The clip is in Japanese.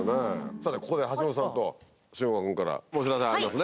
さてここで橋本さんと重岡君からお知らせありますね。